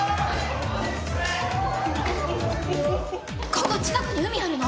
ここ近くに海あるの？